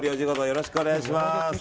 よろしくお願いします。